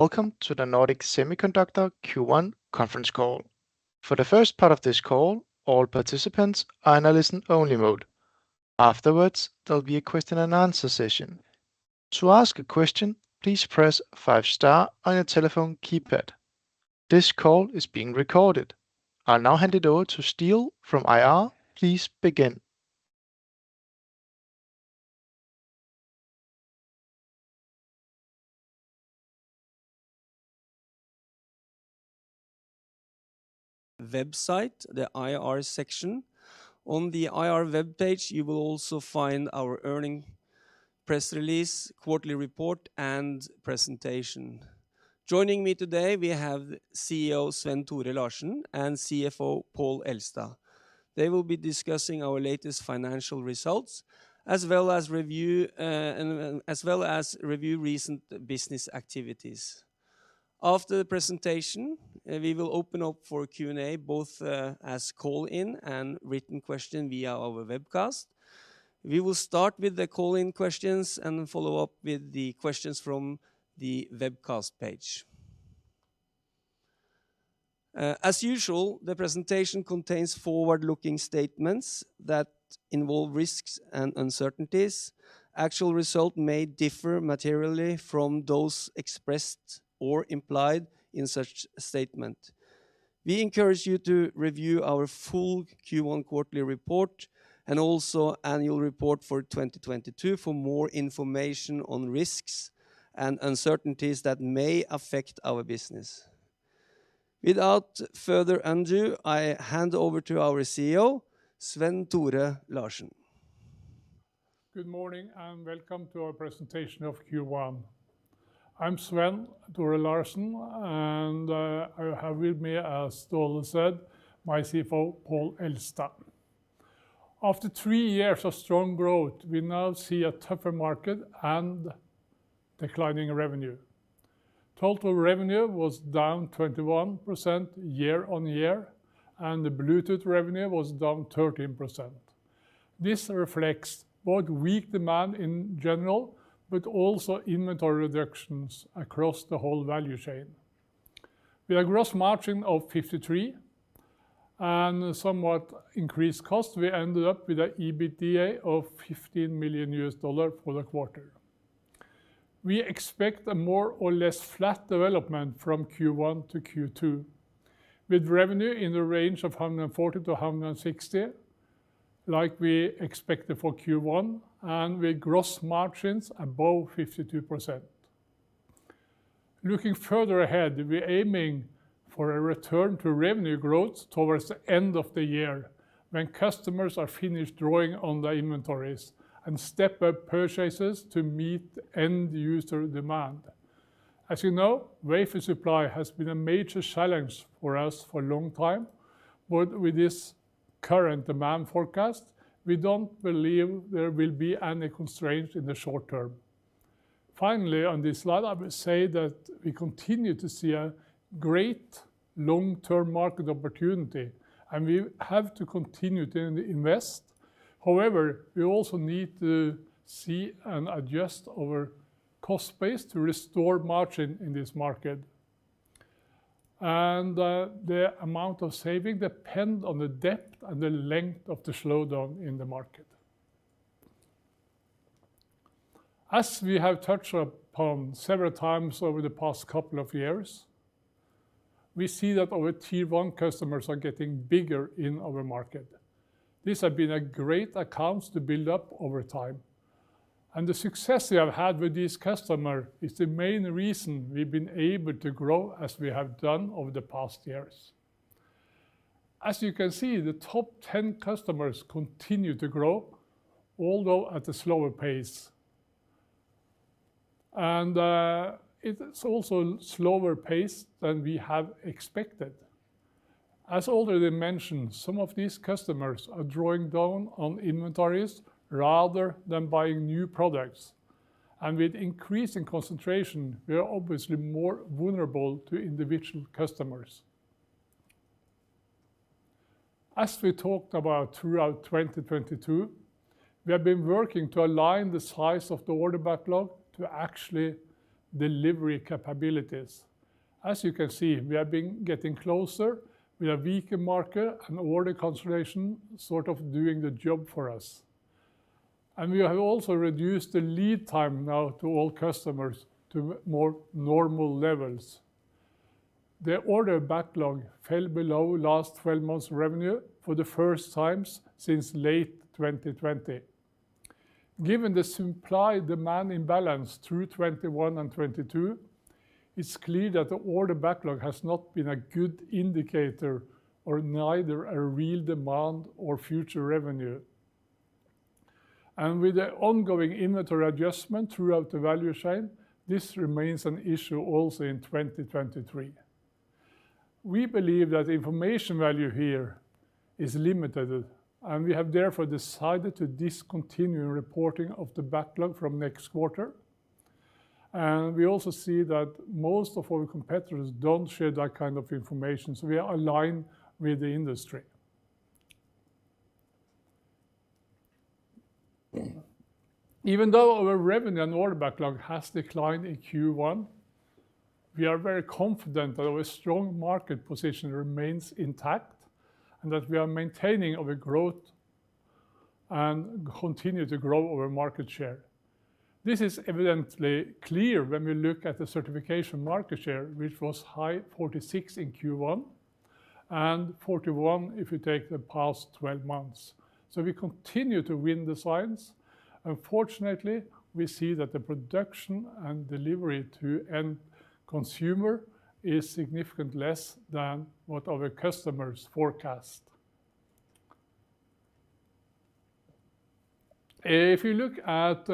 Welcome to the Nordic Semiconductor Q1 conference call. For the first part of this call, all participants are in a listen-only mode. Afterwards, there'll be a question and answer session. To ask a question, please press five star on your telephone keypad. This call is being recorded. I'll now hand it over to Ståle from IR. Please begin. Website, the IR section. On the IR webpage, you will also find our earning press release, quarterly report, and presentation. Joining me today we have CEO Svenn-Tore Larsen and CFO Pål Elstad. They will be discussing our latest financial results as well as review recent business activities. After the presentation, we will open up for Q&A, both as call-in and written question via our webcast. We will start with the call-in questions and then follow up with the questions from the webcast page. As usual, the presentation contains forward-looking statements that involve risks and uncertainties. Actual result may differ materially from those expressed or implied in such statement. We encourage you to review our full Q1 quarterly report and also annual report for 2022 for more information on risks and uncertainties that may affect our business. Without further ado, I hand over to our CEO, Svenn-Tore Larsen. Good morning and welcome to our presentation of Q1. I'm Svenn-Tore Larsen, and I have with me, as Ståle said, my CFO, Pål Elstad. After three years of strong growth, we now see a tougher market and declining revenue. Total revenue was down 21% year-on-year, and the Bluetooth revenue was down 13%. This reflects both weak demand in general, but also inventory reductions across the whole value chain. With a gross margin of 53% and somewhat increased cost, we ended up with a EBITDA of $15 million for the quarter. We expect a more or less flat development from Q1 to Q2, with revenue in the range of $140 million-$160 million, like we expected for Q1, and with gross margins above 52%. Looking further ahead, we're aiming for a return to revenue growth towards the end of the year when customers are finished drawing on their inventories and step up purchases to meet end user demand. As, wafer supply has been a major challenge for us for a long time, but with this current demand forecast, we don't believe there will be any constraints in the short term. Finally on this slide, I will say that we continue to see a great long-term market opportunity, and we have to continue to invest. However, we also need to see and adjust our cost base to restore margin in this market. The amount of saving depend on the depth and the length of the slowdown in the market. As we have touched upon several times over the past couple of years, we see that our Tier One customers are getting bigger in our market. These have been a great accounts to build up over time, and the success we have had with this customer is the main reason we've been able to grow as we have done over the past years. As you can see, the top 10 customers continue to grow, although at a slower pace. It's also slower pace than we have expected. As already mentioned, some of these customers are drawing down on inventories rather than buying new products. With increasing concentration, we are obviously more vulnerable to individual customers. As we talked about throughout 2022, we have been working to align the size of the order backlog to actually delivery capabilities. As you can see, we have been getting closer. We have weaker market and order consolidation sort of doing the job for us. We have also reduced the lead time now to all customers to more normal levels. The order backlog fell below last 12 months revenue for the first time since late 2020. Given the supply-demand imbalance through 2021 and 2022, it's clear that the order backlog has not been a good indicator or neither a real demand or future revenue. With the ongoing inventory adjustment throughout the value chain, this remains an issue also in 2023. We believe that information value here is limited, and we have therefore decided to discontinue reporting of the backlog from next quarter. We also see that most of our competitors don't share that kind of information, so we are aligned with the industry. Even though our revenue and order backlog has declined in Q1, we are very confident that our strong market position remains intact, and that we are maintaining our growth and continue to grow our market share. This is evidently clear when we look at the certification market share, which was high 46% in Q1 and 41% if you take the past 12 months. We continue to win designs. Unfortunately, we see that the production and delivery to end consumer is significantly less than what our customers forecast. If you look at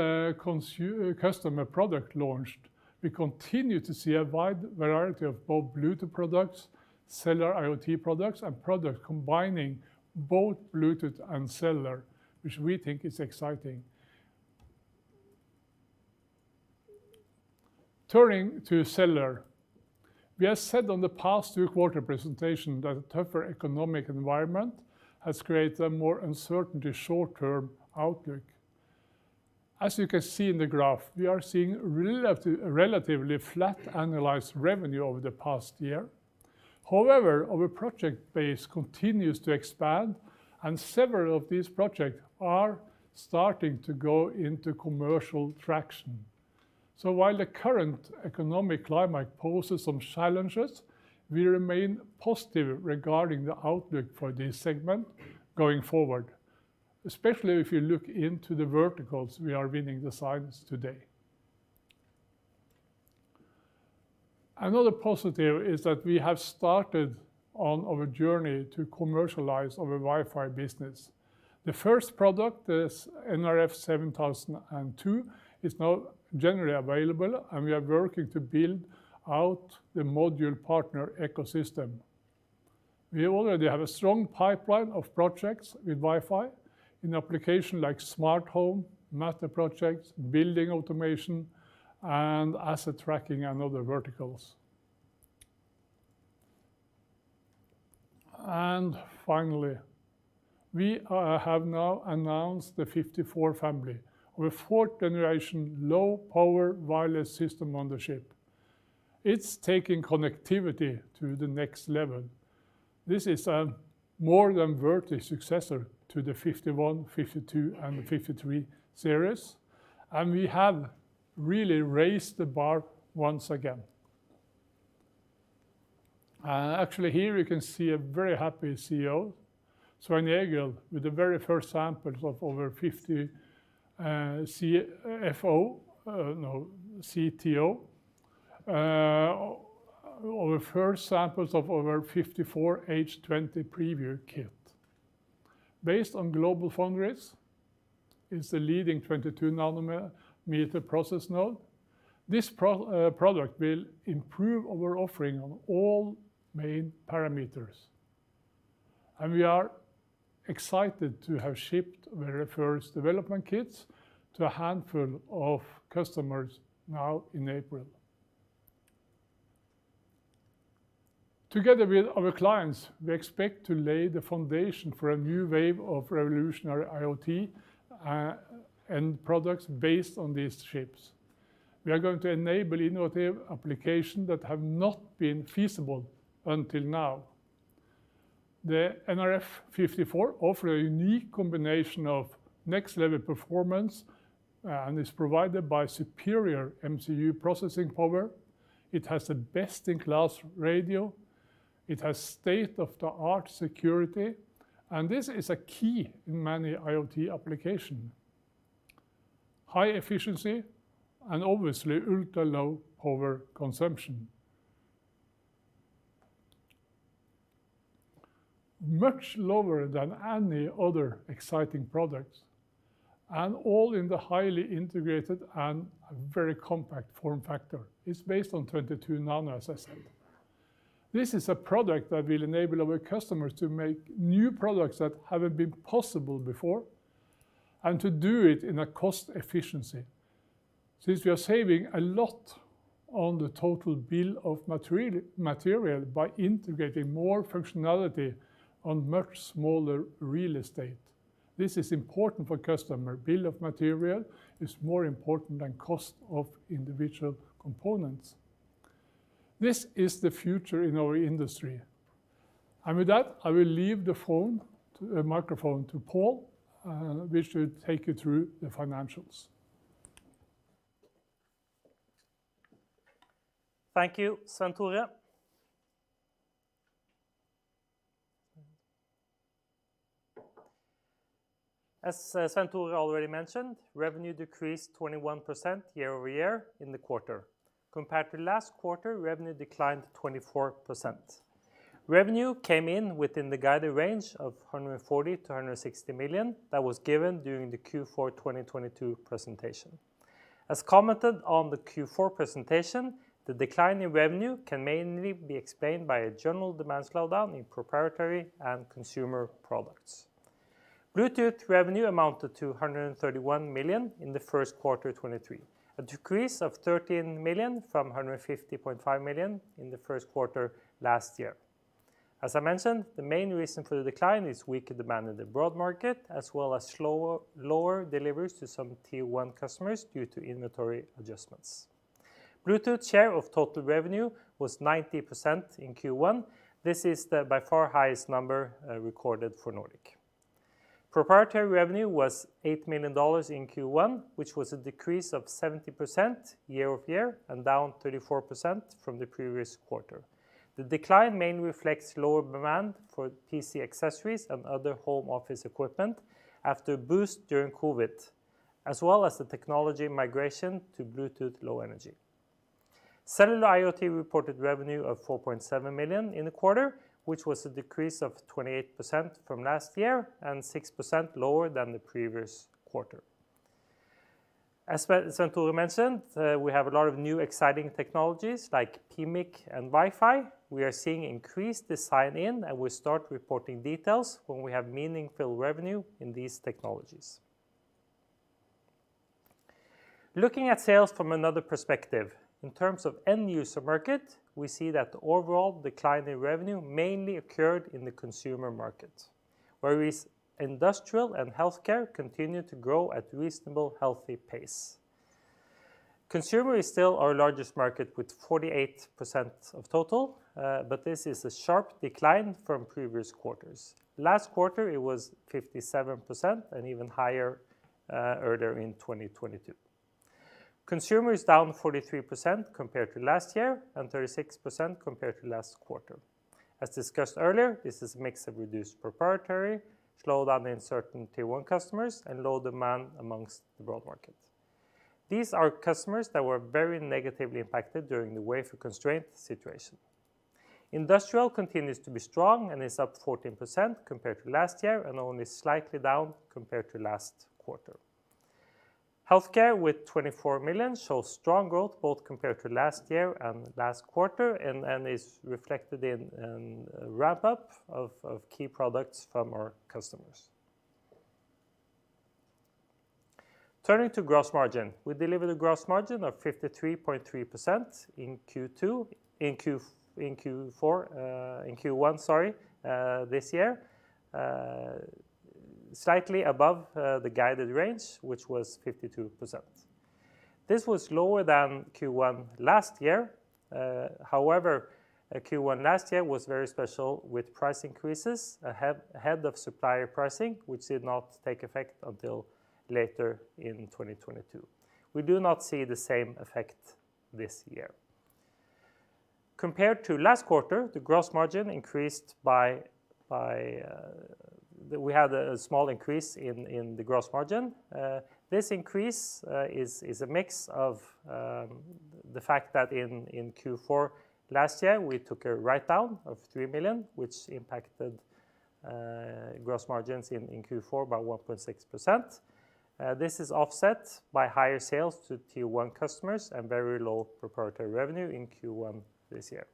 customer product launched, we continue to see a wide variety of both Bluetooth products, cellular IoT products, and products combining both Bluetooth and cellular, which we think is exciting. Turning to cellular. We have said on the past Q2 presentation that a tougher economic environment has created a more uncertainty short-term outlook. As you can see in the graph, we are seeing relatively flat annualized revenue over the past year. However, our project base continues to expand, and several of these projects are starting to go into commercial traction. While the current economic climate poses some challenges, we remain positive regarding the outlook for this segment going forward, especially if you look into the verticals we are winning designs today. Another positive is that we have started on our journey to commercialize our Wi-Fi business. The first product is nRF7002. It's now generally available, and we are working to build out the module partner ecosystem. We already have a strong pipeline of projects with Wi-Fi in applications like smart home, Matter projects, building automation, and asset tracking and other verticals. Finally, we have now announced the 54 family. Our fourth generation low-power wireless system-on-chip. It's taking connectivity to the next level. This is more than worthy successor to the 51, 52, and 53 series, and we have really raised the bar once again. Actually here you can see a very happy CEO, Svein-Egil, with the very first samples of our CTO, our nRF54H20 preview kit. Based on GlobalFoundries, it's the leading 22-nanometer process node. This product will improve our offering on all main parameters. We are excited to have shipped our first development kits to a handful of customers now in April. Together with our clients, we expect to lay the foundation for a new wave of revolutionary IoT and products based on these chips. We are going to enable innovative applications that have not been feasible until now. The nRF54 offer a unique combination of next-level performance and is provided by superior MCU processing power. It has the best-in-class radio. It has state-of-the-art security. This is a key in many IoT application. High efficiency and obviously ultra-low power consumption. Much lower than any other exciting products, all in the highly integrated and very compact form factor. It's based on 22 nano, as I said. This is a product that will enable our customers to make new products that haven't been possible before, and to do it in a cost efficiency. Since we are saving a lot on the total bill of materials by integrating more functionality on much smaller real estate. This is important for customer. Bill of materials is more important than cost of individual components. This is the future in our industry. With that, I will leave the microphone to Pål, which should take you through the financials. Thank you, Svenn-Tore. As Svenn-Tore already mentioned, revenue decreased 21% year-over-year in the quarter. Compared to last quarter, revenue declined 24%. Revenue came in within the guided range of $140 million-$160 million that was given during the Q4-2022 presentation. As commented on the Q4 presentation, the decline in revenue can mainly be explained by a general demand slowdown in proprietary and consumer products. Bluetooth revenue amounted to $131 million in the Q1 2023, a decrease of $13 million from $150.5 million in the Q1 last year. As I mentioned, the main reason for the decline is weaker demand in the broad market, as well as lower deliveries to some Tier 1 customers due to inventory adjustments. Bluetooth share of total revenue was 90% in Q1. This is the by far highest number recorded for Nordic. Proprietary revenue was $8 million in Q1, which was a decrease of 70% year-over-year and down 34% from the previous quarter. The decline mainly reflects lower demand for PC accessories and other home office equipment after a boost during COVID, as well as the technology migration to Bluetooth Low Energy. cellular IoT reported revenue of $4.7 million in the quarter, which was a decrease of 28% from last year and 6% lower than the previous quarter. As Svenn-Tore mentioned, we have a lot of new exciting technologies like PMIC and Wi-Fi. We are seeing increased design-in, and we start reporting details when we have meaningful revenue in these technologies. Looking at sales from another perspective, in terms of end-user market, we see that the overall decline in revenue mainly occurred in the consumer market. Whereas industrial and healthcare continued to grow at reasonably healthy pace. Consumer is still our largest market with 48% of total, but this is a sharp decline from previous quarters. Last quarter, it was 57% and even higher earlier in 2022. Consumer is down 43% compared to last year and 36% compared to last quarter. As discussed earlier, this is a mix of reduced proprietary, slowdown in certain Tier One customers, and low demand amongst the broad market. These are customers that were very negatively impacted during the wafer constraint situation. Industrial continues to be strong and is up 14% compared to last year and only slightly down compared to last quarter. Healthcare, with $24 million, shows strong growth both compared to last year and last quarter and is reflected in a ramp-up of key products from our customers. Turning to gross margin, we delivered a gross margin of nRF53.3% in Q1, sorry, this year. Slightly above the guided range, which was nRF52%. This was lower than Q1 last year. However, Q1 last year was very special with price increases ahead of supplier pricing, which did not take effect until later in 2022. We do not see the same effect this year. Compared to last quarter, the gross margin increased by... We had a small increase in the gross margin. This increase is a mix of the fact that in Q4 last year, we took a write-down of $3 million, which impacted gross margins in Q4 by 1.6%. This is offset by higher sales to Tier 1 customers and very low proprietary revenue in Q1 this year.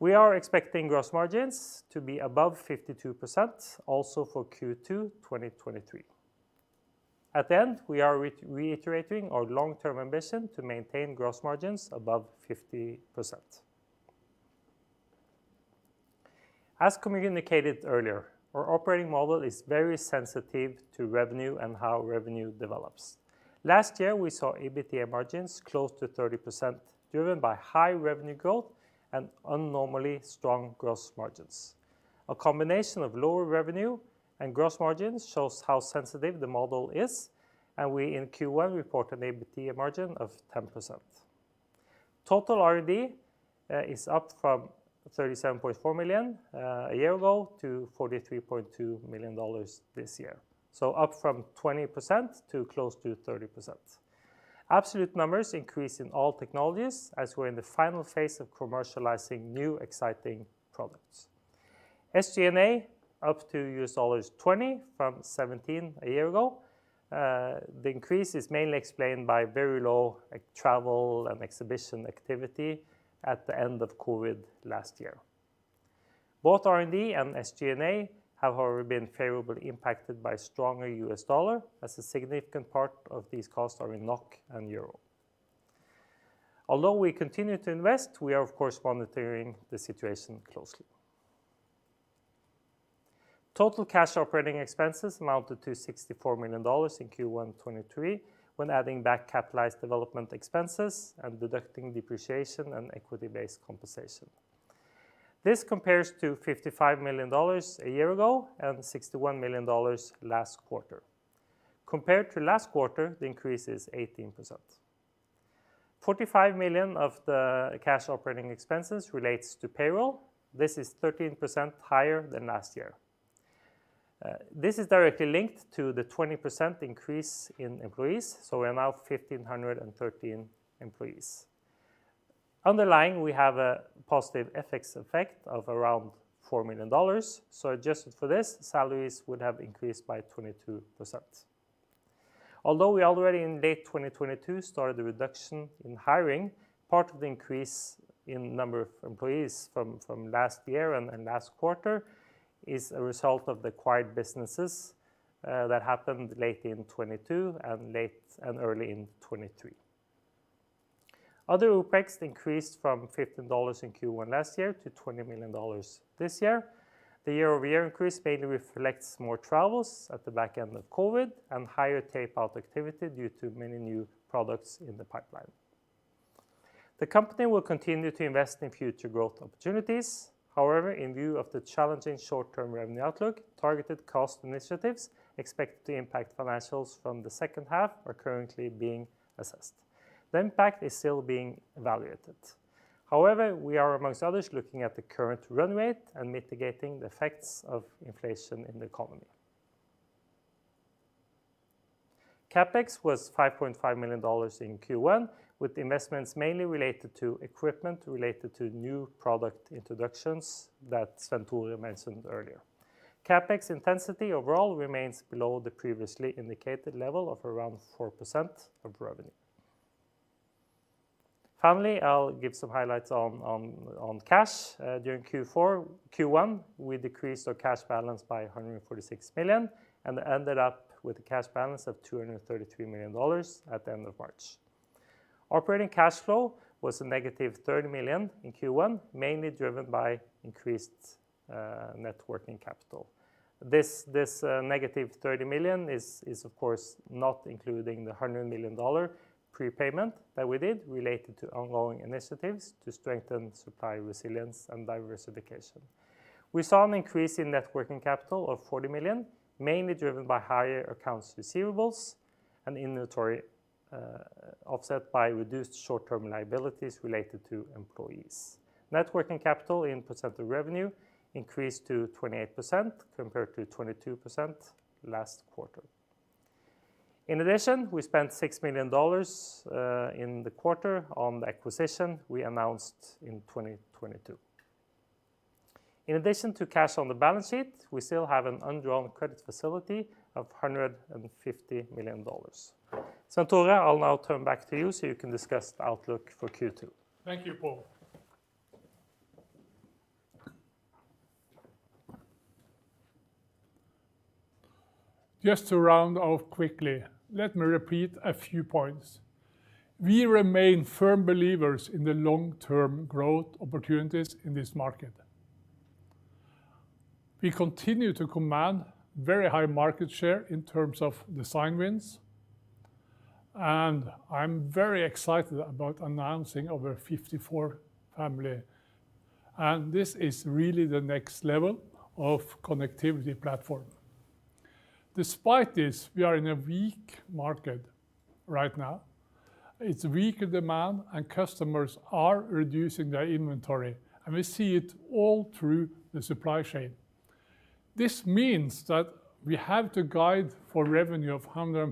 We are expecting gross margins to be above nRF52% also for Q2 2023. At the end, we are reiterating our long-term ambition to maintain gross margins above 50%. As communicated earlier, our operating model is very sensitive to revenue and how revenue develops. Last year, we saw EBITDA margins close to 30%, driven by high revenue growth and abnormally strong gross margins. A combination of lower revenue and gross margins shows how sensitive the model is. We in Q1 report an EBITDA margin of 10%. Total R&D is up from $37.4 million a year ago to $43.2 million this year, so up from 20% to close to 30%. Absolute numbers increase in all technologies as we're in the final phase of commercializing new exciting products. SG&A up to $20 from $17 a year ago. The increase is mainly explained by very low travel and exhibition activity at the end of COVID last year. Both R&D and SG&A have, however, been favorably impacted by stronger U.S. dollar as a significant part of these costs are in NOK and EUR. Although we continue to invest, we are of course monitoring the situation closely. Total cash operating expenses amounted to $64 million in Q1 2023 when adding back capitalized development expenses and deducting depreciation and equity-based compensation. This compares to $55 million a year ago and $61 million last quarter. Compared to last quarter, the increase is 18%. $45 million of the cash operating expenses relates to payroll. This is 13% higher than last year. This is directly linked to the 20% increase in employees, so we're now 1,513 employees. Underlying, we have a positive FX effect of around $4 million, so adjusted for this, salaries would have increased by 22%. Although we already in late 2022 started a reduction in hiring, part of the increase in number of employees from last year and last quarter is a result of the acquired businesses that happened late in 2022 and late and early in 2023. Other OpEx increased from $15 in Q1 last year to $20 million this year. The year-over-year increase mainly reflects more travels at the back end of COVID and higher tape-out activity due to many new products in the pipeline. The company will continue to invest in future growth opportunities. However, in view of the challenging short-term revenue outlook, targeted cost initiatives expected to impact financials from the H2 are currently being assessed. The impact is still being evaluated. However, we are, amongst others, looking at the current run rate and mitigating the effects of inflation in the economy. CapEx was $5.5 million in Q1, with the investments mainly related to equipment related to new product introductions that Svenn-Tore mentioned earlier. CapEx intensity overall remains below the previously indicated level of around 4% of revenue. Finally, I'll give some highlights on cash. During Q4... Q1, we decreased our cash balance by $146 million and ended up with a cash balance of $233 million at the end of March. Operating cash flow was -$30 million in Q1, mainly driven by increased net working capital. This negative $30 million is of course not including the $100 million prepayment that we did related to ongoing initiatives to strengthen supply resilience and diversification. We saw an increase in net working capital of $40 million, mainly driven by higher accounts receivables and inventory, offset by reduced short-term liabilities related to employees. Net working capital in percent of revenue increased to 28% compared to 22% last quarter. In addition, we spent $6 million in the quarter on the acquisition we announced in 2022. In addition to cash on the balance sheet, we still have an undrawn credit facility of $150 million. Svenn-Tore, I'll now turn back to you so you can discuss the outlook for Q2. Thank you, Pål. Just to round off quickly, let me repeat a few points. We remain firm believers in the long-term growth opportunities in this market. We continue to command very high market share in terms of design wins. I'm very excited about announcing our nRF54 Series. This is really the next level of connectivity platform. Despite this, we are in a weak market right now. It's weak demand, and customers are reducing their inventory, and we see it all through the supply chain. This means that we have to guide for revenue of $140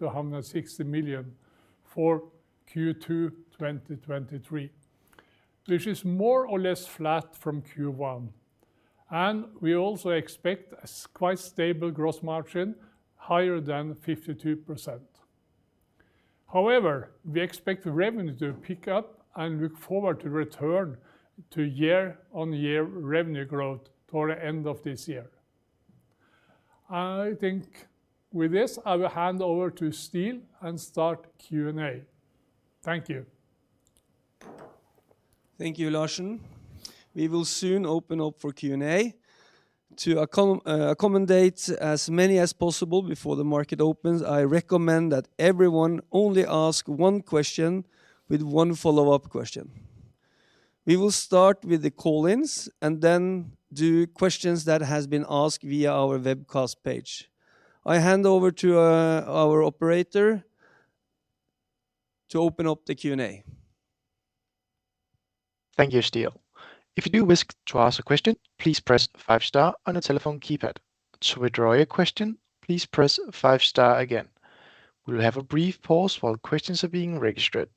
million-$160 million for Q2 2023, which is more or less flat from Q1. We also expect a quite stable gross margin higher than nRF52%. We expect the revenue to pick up and look forward to return to year-on-year revenue growth toward the end of this year. I think with this, I will hand over to Steel and start Q&A. Thank you. Thank you, Larsen. We will soon open up for Q&A. To accommodate as many as possible before the market opens, I recommend that everyone only ask one question with one follow-up question. We will start with the call-ins and then do questions that has been asked via our webcast page. I hand over to our operator to open up the Q&A. Thank you, Ståle. If you do wish to ask a question, please press 5 star on your telephone keypad. To withdraw your question, please press 5 star again. We will have a brief pause while questions are being registered.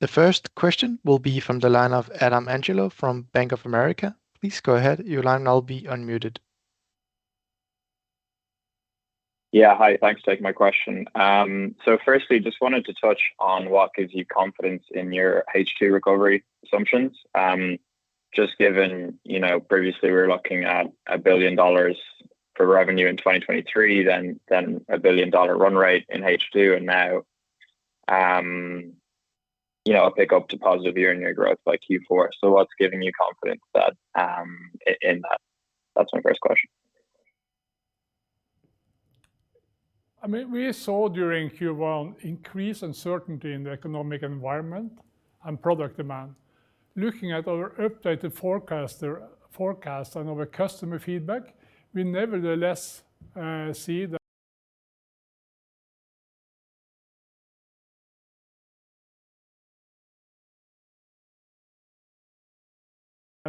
The first question will be from the line of Adam Angelov from Bank of America. Please go ahead. Your line will now be unmuted. Yeah. Hi. Thanks for taking my question. Firstly, just wanted to touch on what gives you confidence in your H2 recovery assumptions. Just given previously we were looking at $1 billion for revenue in 2023, then a $1 billion run rate in H2, and now a pick-up to positive year-on-year growth by Q4. What's giving you confidence that in that? That's my first question. I mean, we saw during Q1 increased uncertainty in the economic environment and product demand. Looking at our updated forecaster forecast and our customer feedback, we nevertheless see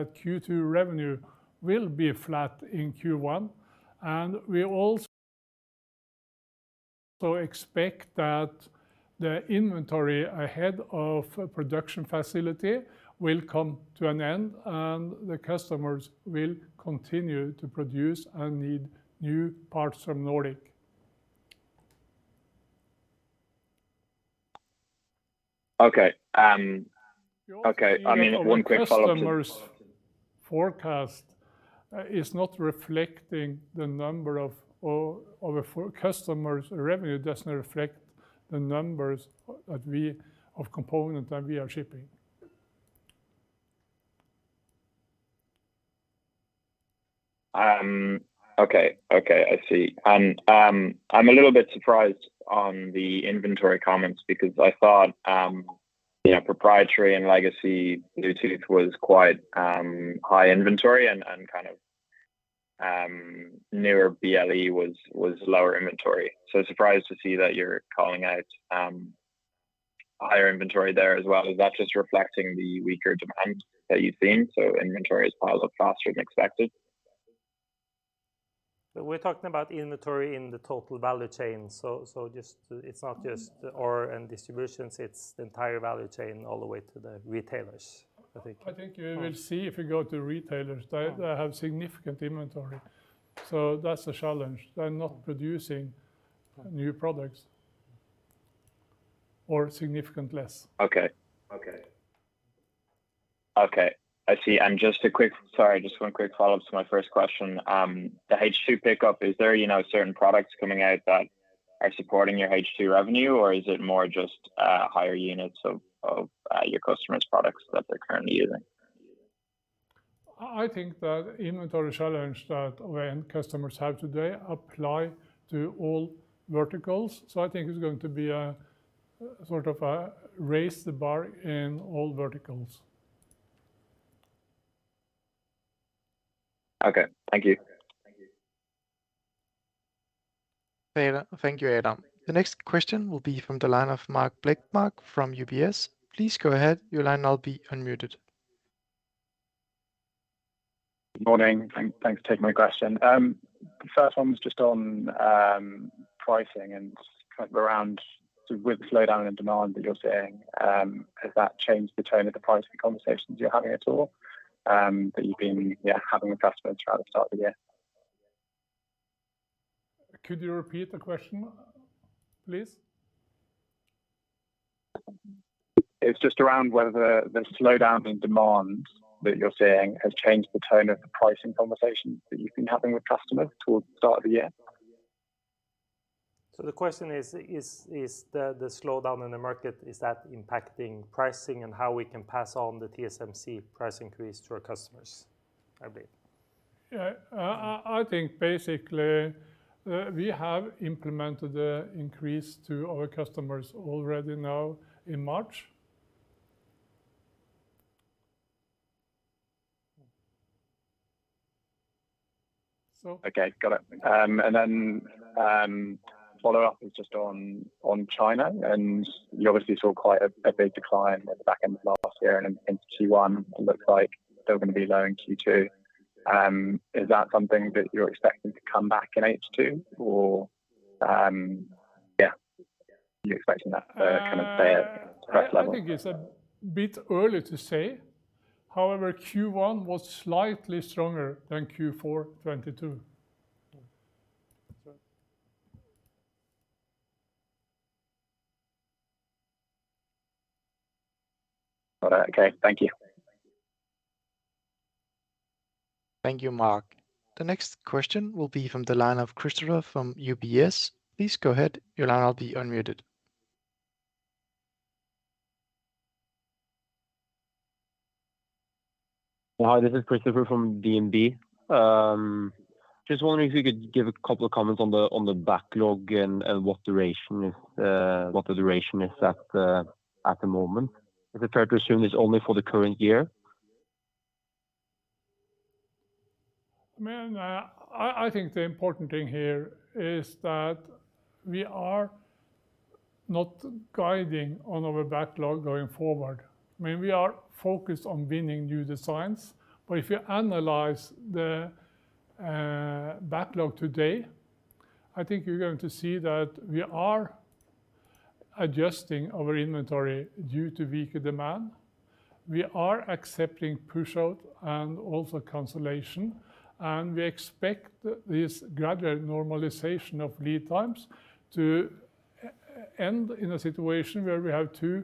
that Q2 revenue will be flat in Q1, and we also expect that the inventory ahead of a production facility will come to an end, and the customers will continue to produce and need new parts from Nordic. Okay. Okay. I mean, one quick follow-up Our customers' forecast, is not reflecting the number of, our customers' revenue does not reflect the numbers, of component that we are shipping. Okay. Okay, I see. I'm a little bit surprised on the inventory comments because I thought proprietary and legacy Bluetooth was quite high inventory and kind of, newer BLE was lower inventory. Surprised to see that you're calling out higher inventory there as well. Is that just reflecting the weaker demand that you've seen, so inventory has piled up faster than expected? We're talking about inventory in the total value chain, so just, it's not just the OR and distributions, it's the entire value chain all the way to the retailers, I think. I think you will see if you go to retailers, they have significant inventory. That's a challenge. They're not producing new products or significant less. Okay I see. Sorry, just one quick follow-up to my first question. The H2 pickup, is there certain products coming out that are supporting your H2 revenue, or is it more just higher units of your customers' products that they're currently using? I think that inventory challenge that our end customers have today apply to all verticals. I think it's going to be a, sort of a raise the bar in all verticals. Okay. Thank you. Thank you, Adam. The next question will be from the line of Mark Blakemore from UBS. Please go ahead. Your line will now be unmuted. Good morning. Thanks for taking my question. The first one was just on pricing and kind of around with the slowdown in demand that you're seeing, has that changed the tone of the pricing conversations you're having at all that you've been having with customers throughout the start of the year? Could you repeat the question, please? It's just around whether the slowdown in demand that you're seeing has changed the tone of the pricing conversations that you've been having with customers towards the start of the year. The question is the slowdown in the market, is that impacting pricing and how we can pass on the TSMC price increase to our customers, I believe. Yeah. I think basically, we have implemented the increase to our customers already now in March. Okay. Got it. Follow-up is just on China, and you obviously saw quite a big decline at the back end of last year and into Q1. It looks like still going to be low in Q2. Is that something that you're expecting to come back in H2 or, yeah. Are you expecting that to kind of stay at current levels? I think it's a bit early to say. Q1 was slightly stronger than Q4 2022. That's right. All right. Okay. Thank you. Thank you, Mark. The next question will be from the line of Christopher from DNB. Please go ahead. Your line will now be unmuted. Hi, this is Christopher from DNB. Just wondering if you could give a couple of comments on the backlog and what the duration is at the moment? Is it fair to assume it's only for the current year? I mean, I think the important thing here is that we are not guiding on our backlog going forward. I mean, we are focused on winning new designs. If you analyze the backlog today, I think you're going to see that we are adjusting our inventory due to weaker demand. We are accepting push out and also cancellation. We expect this gradual normalization of lead times to end in a situation where we have Q2to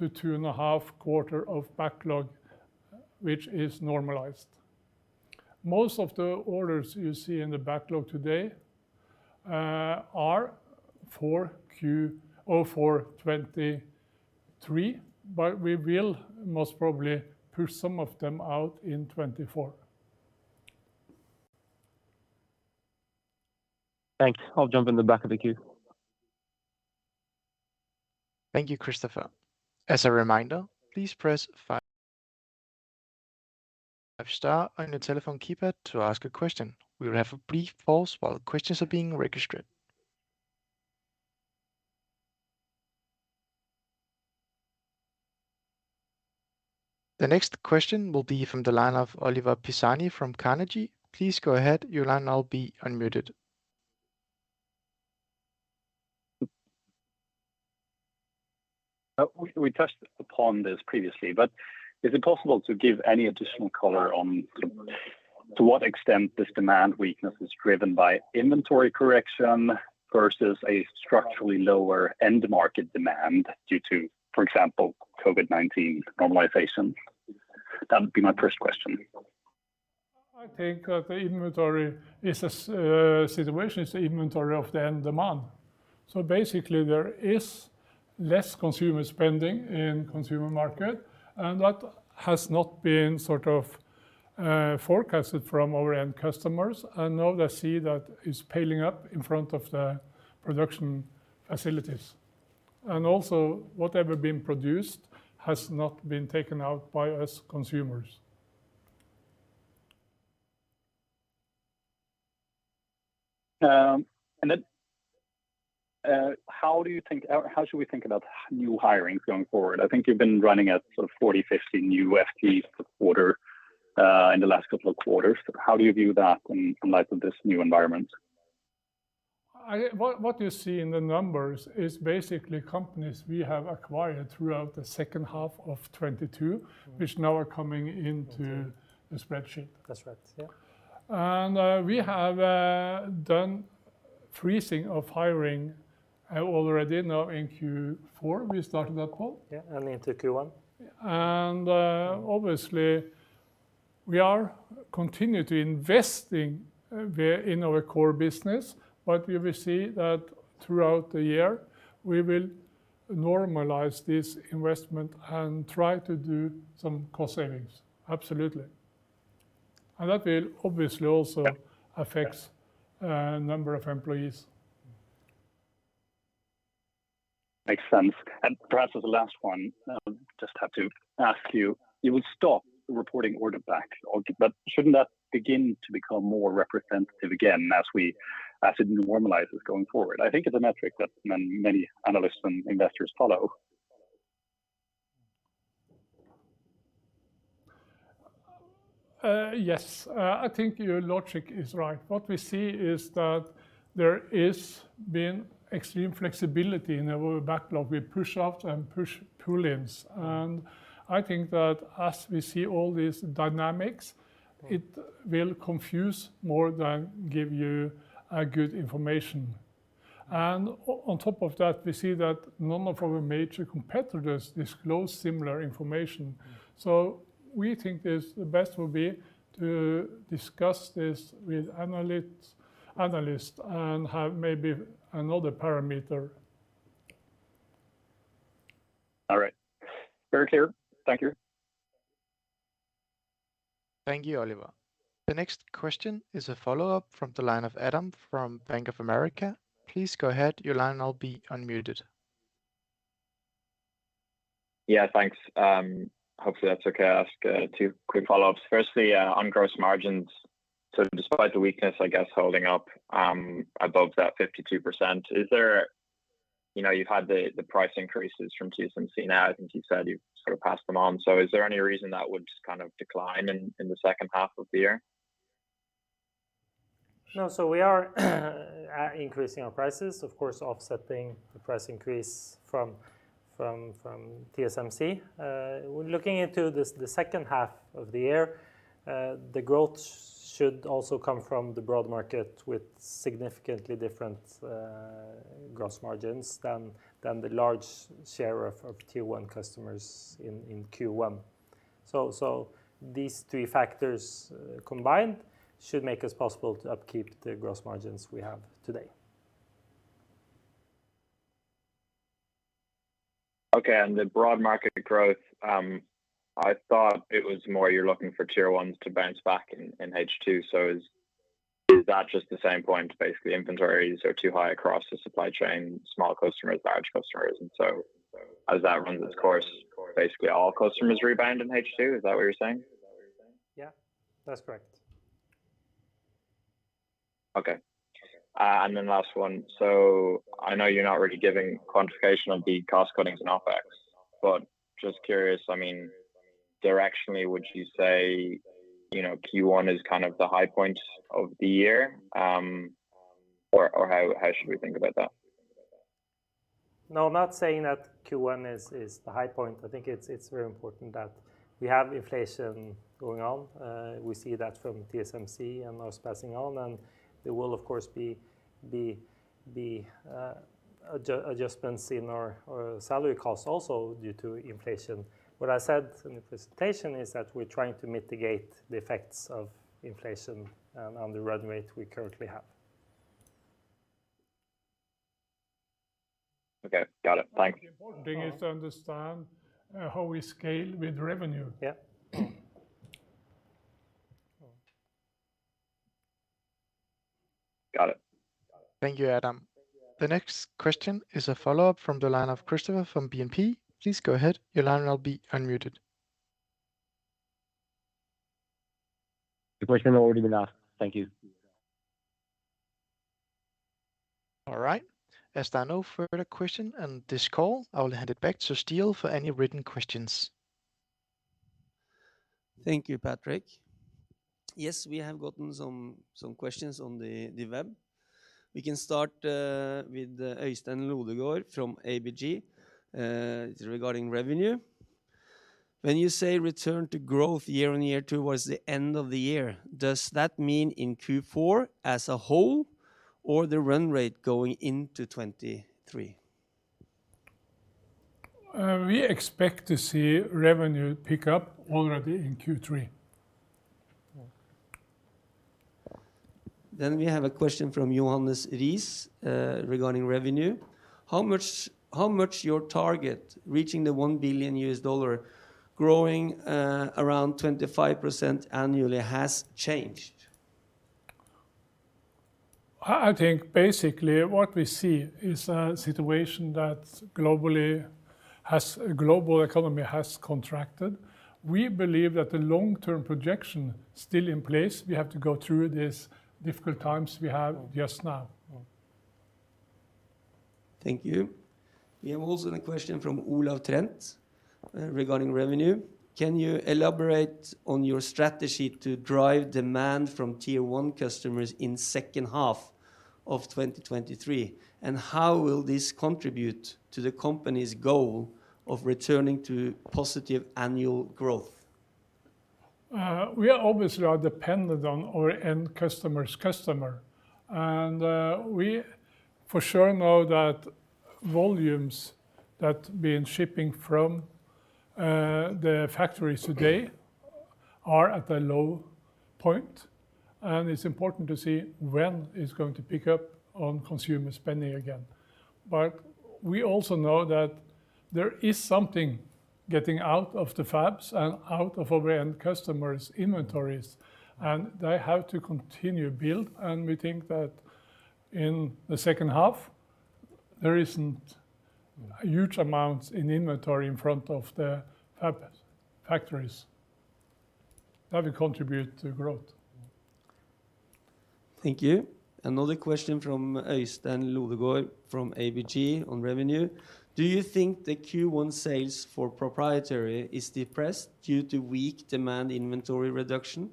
Q2.5 of backlog, which is normalized. Most of the orders you see in the backlog today are for 2023. We will most probably push some of them out in 2024. Thanks. I'll jump in the back of the queue. Thank you, Christopher. As a reminder, please press five star on your telephone keypad to ask a question. We will have a brief pause while questions are being registered. The next question will be from the line of Oliver Pisani from Carnegie. Please go ahead. Your line will now be unmuted. We touched upon this previously, but is it possible to give any additional color on to what extent this demand weakness is driven by inventory correction versus a structurally lower end market demand due to, for example, COVID-19 normalization? That would be my first question. I think that the inventory is a situation is the inventory of the end demand. Basically there is less consumer spending in consumer market, and that has not been sort of, forecasted from our end customers. Now they see that it's piling up in front of the production facilities. Also whatever been produced has not been taken out by us consumers. How should we think about new hirings going forward? I think you've been running at sort of 40, 50 new FTs per quarter, in the last couple of quarters. How do you view that in light of this new environment? What you see in the numbers is basically companies we have acquired throughout the H2 of 2022, which now are coming into the spreadsheet. That's right. Yeah. We have done freezing of hiring already now in Q4. We started that call. Yeah, into Q1. Obviously we are continuing to investing in our core business. We will see that throughout the year we will normalize this investment and try to do some cost savings. Absolutely. That will obviously also. Yeah. -affects, number of employees. Makes sense. Perhaps as the last one, I would just have to ask you would stop the reporting order back. But shouldn't that begin to become more representative again as it normalizes going forward? I think it's a metric that many analysts and investors follow. Yes. I think your logic is right. What we see is that there is been extreme flexibility in our backlog. We push out and push pull-ins. I think that as we see all these dynamics, it will confuse more than give you good information. On top of that, we see that none of our major competitors disclose similar information. We think is the best would be to discuss this with analyst and have maybe another parameter. All right. Very clear. Thank you. Thank you, Oliver. The next question is a follow-up from the line of Adam from Bank of America. Please go ahead. Your line will be unmuted. Thanks. Hopefully that's okay. I'll ask two quick follow-ups. Firstly, on gross margins. Despite the weakness, I guess holding up, above that nrf52% you've had the price increases from TSMC now, I think you said you've sort of passed them on. Is there any reason that would kind of decline in the H2 of the year? No. We are increasing our prices, of course, offsetting the price increase from TSMC. When looking into this, the H2 of the year, the growth should also come from the broad market with significantly different gross margins than the large share of tier one customers in Q1. These three factors, combined should make us possible to upkeep the gross margins we have today. Okay. The broad market growth, I thought it was more you're looking for tier ones to bounce back in H2. Is that just the same point, basically inventories are too high across the supply chain, small customers, large customers? As that runs its course, basically all customers rebound in H2? Is that what you're saying? Yeah, that's correct. Okay. Last one. I know you're not really giving quantification of the cost cuttings and OpEx, but just curious, I mean, directionally, would you say Q1 is kind of the high point of the year? How should we think about that? No, I'm not saying that Q1 is the high point. I think it's very important that we have inflation going on. We see that from TSMC and us passing on, and there will of course be adjustments in our salary costs also due to inflation. What I said in the presentation is that we're trying to mitigate the effects of inflation and on the run rate we currently have. Okay. Got it. Thanks. The important thing is to understand how we scale with revenue. Yeah. Got it. Thank you, Adam. The next question is a follow-up from the line of Christopher from DNB. Please go ahead. Your line will be unmuted. The question has already been asked. Thank you. All right. As there are no further question on this call, I will hand it back to Steel for any written questions. Thank you, Patrick. Yes, we have gotten some questions on the web. We can start with Åsmund Lunde from ABG. It's regarding revenue. When you say return to growth year-on-year towards the end of the year, does that mean in Q4 as a whole or the run rate going into 2023? We expect to see revenue pick up already in Q3. We have a question from Johannes Ries, regarding revenue. How much your target reaching the $1 billion growing, around 25% annually has changed? I think basically what we see is a situation that global economy has contracted. We believe that the long-term projection still in place, we have to go through these difficult times we have just now. Thank you. We have also a question from Olav Tønseth regarding revenue. Can you elaborate on your strategy to drive demand from tier one customers in H2 of 2023? How will this contribute to the company's goal of returning to positive annual growth? We obviously are dependent on our end customers' customer. We for sure know that volumes that's been shipping from the factories today are at a low point, and it's important to see when it's going to pick up on consumer spending again. We also know that there is something getting out of the fabs and out of our end customers' inventories, and they have to continue build. We think that in the H2, there isn't huge amounts in inventory in front of the fab factories. That will contribute to growth. Thank you. Another question from Ask Lunde from ABG on revenue. Do you think the Q1 sales for proprietary is depressed due to weak demand inventory reduction,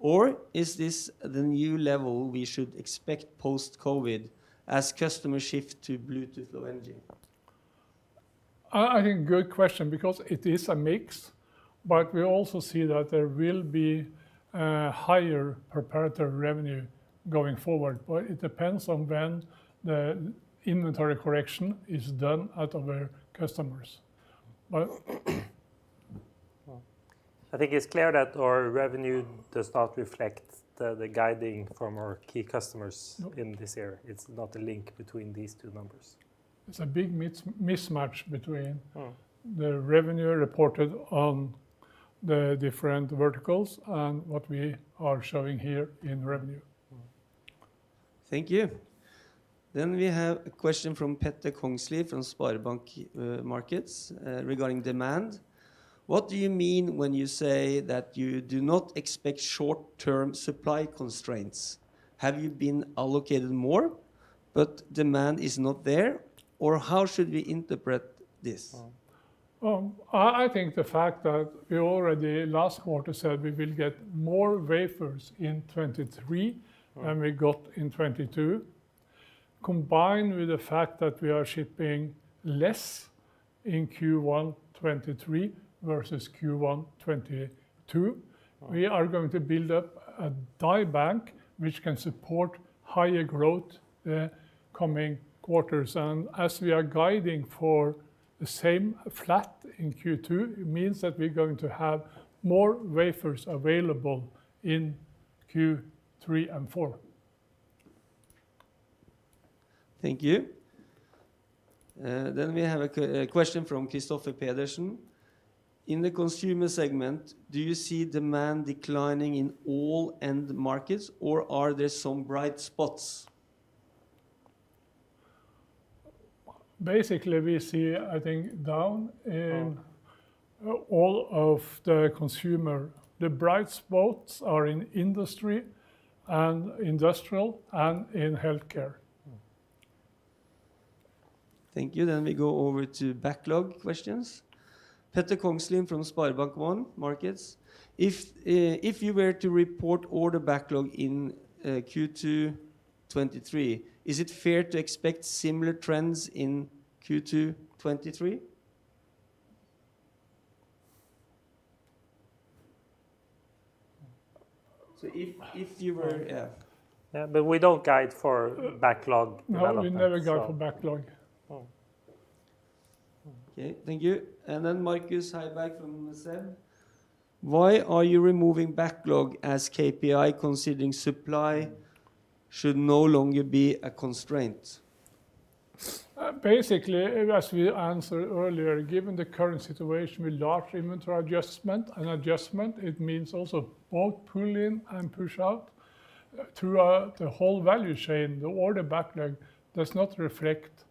or is this the new level we should expect post-COVID as customers shift to Bluetooth Low Energy? I think good question because it is a mix, we also see that there will be higher proprietary revenue going forward. It depends on when the inventory correction is done out of our customers. I think it's clear that our revenue does not reflect the guiding from our key customers in this area. It's not a link between these two numbers. It's a big mismatch. Mm. the revenue reported on the different verticals and what we are showing here in revenue. Thank you. We have a question from Petter Kongslie from SpareBank 1 Markets regarding demand. What do you mean when you say that you do not expect short-term supply constraints? Have you been allocated more but demand is not there, or how should we interpret this? I think the fact that we already last quarter said we will get more wafers in 2023 than we got in 2022, combined with the fact that we are shipping less in Q1 2023 versus Q1 2022, we are going to build up a die bank which can support higher growth, coming quarters. As we are guiding for the same flat in Q2, it means that we're going to have more wafers available in Q3 and Q4. Thank you. We have a question from Christoffer Sjøvold. In the consumer segment, do you see demand declining in all end markets, or are there some bright spots? Basically, we see, I think, down in all of the consumer. The bright spots are in industry and industrial and in healthcare. Thank you. We go over to backlog questions. Petter Kongslie from SpareBank 1 Markets. If you were to report order backlog in Q2 2023, is it fair to expect similar trends in Q2 2023? If you were, yeah. Yeah, we don't guide for backlog developments. No, we never guide for backlog. Okay. Thank you. Andreas Heiberg from DNB. Why are you removing backlog as KPI considering supply should no longer be a constraint? Basically, as we answered earlier, given the current situation with large inventory adjustment, it means also both pull in and push out throughout the whole value chain. The order backlog does not reflect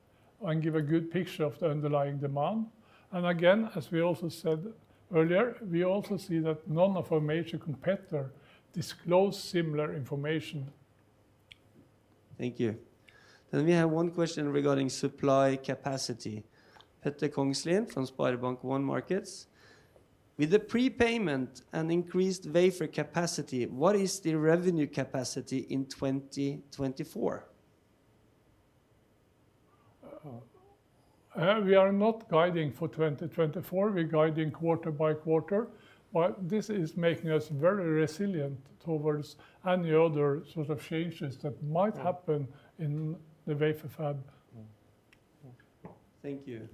and give a good picture of the underlying demand. Again, as we also said earlier, we also see that none of our major competitor disclose similar information Thank you. We have one question regarding supply capacity. Petter Kongslie from SpareBank 1 Markets. With the prepayment and increased wafer capacity, what is the revenue capacity in 2024? We are not guiding for 2024, we're guiding quarter-by-quarter. This is making us very resilient towards any other sort of changes that might happen in the wafer fab. Thank you.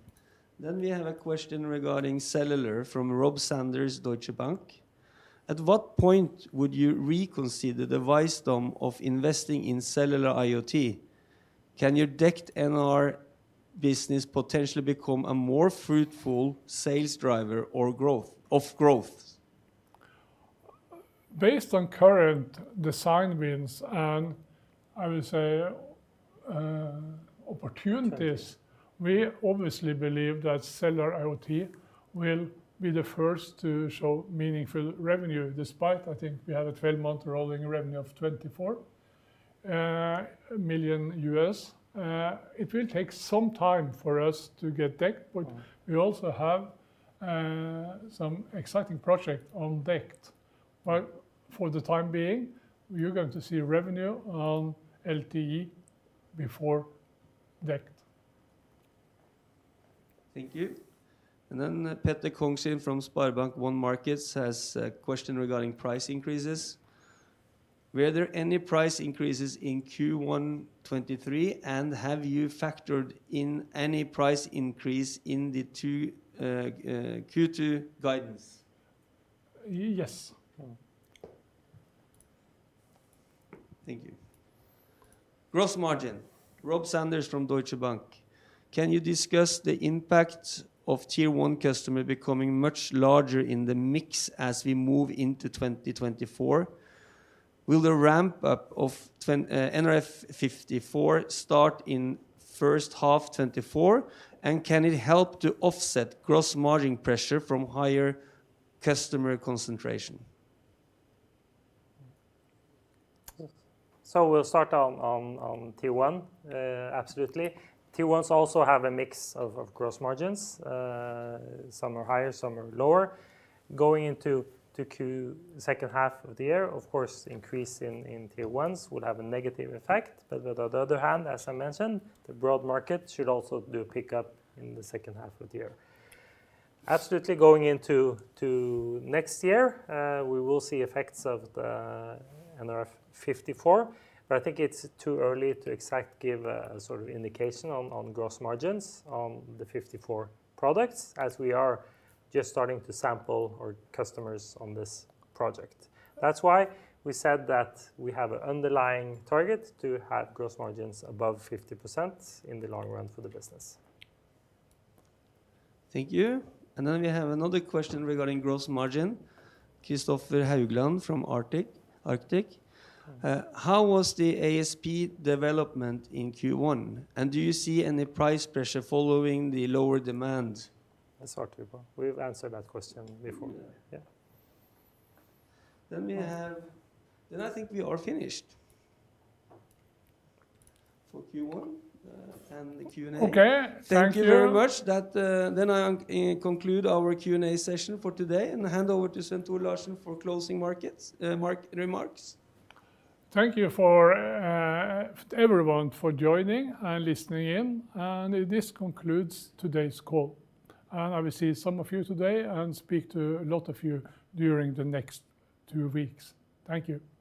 We have a question regarding cellular from Robert Sanders, Deutsche Bank. At what point would you reconsider the wisdom of investing in cellular IoT? Can your DECT NR+ business potentially become a more fruitful sales driver of growth? Based on current design wins, I would say, opportunities, we obviously believe that cellular IoT will be the first to show meaningful revenue, despite I think we have a 12-month rolling revenue of $24 million. It will take some time for us to get DECT, we also have, some exciting project on DECT. For the time being, you're going to see revenue on LTE before DECT. Thank you. Then Petter Kongslie from SpareBank 1 Markets has a question regarding price increases. Were there any price increases in Q1 2023, and have you factored in any price increase in the two Q2 guidance? Yes. Thank you. Gross margin, Robert Sanders from Deutsche Bank. Can you discuss the impact of Tier one customer becoming much larger in the mix as we move into 2024? Will the ramp up of nRF54 start in H1 2024, and can it help to offset gross margin pressure from higher customer concentration? We'll start on Tier 1. Absolutely. Tier 1s also have a mix of gross margins. Some are higher, some are lower. Going into the H2 of the year, of course, increase in Tier 1s would have a negative effect. On the other hand, as I mentioned, the broad market should also do a pickup in the H2 of the year. Absolutely going into next year, we will see effects of the nRF54, but I think it's too early to exact give a sort of indication on gross margins on the 54 products, as we are just starting to sample our customers on this project. That's why we said that we have an underlying target to have gross margins above 50% in the long run for the business. Thank you. We have another question regarding gross margin. Kristoffer Hauglan from Arctic. How was the ASP development in Q1, and do you see any price pressure following the lower demand? That's hard to... We've answered that question before. Yeah. Yeah. I think we are finished for Q1, and the Q&A. Okay. Thank you. Thank you very much. That, then I conclude our Q&A session for today and hand over to Svenn-Tore Larsen for closing markets remarks. Thank you for everyone for joining and listening in, this concludes today's call. I will see some of you today and speak to a lot of you during the next two weeks. Thank you. Thank you.